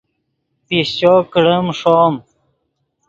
پیشچو کڑیم ݰوم